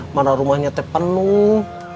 mana rumahnya penuh